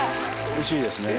おいしいですね。